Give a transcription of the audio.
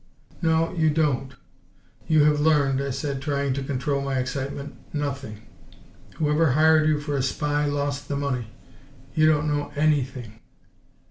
"No, you don't. You have learned," I said, trying to control my excitement, "nothing! Whoever hired YOU for a spy lost the money. YOU don't know ANY thing!"